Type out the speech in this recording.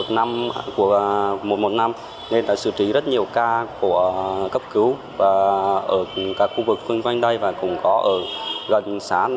cấp cứu một trăm một mươi năm đã xử trí rất nhiều ca của cấp cứu ở các khu vực quanh đây và cũng có ở gần xã